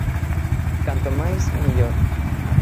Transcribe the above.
Canto máis, mellor.